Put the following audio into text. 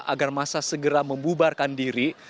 agar masa segera membubarkan diri